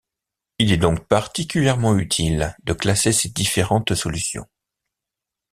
Il est donc particulièrement utile de classer ces différentes solutions.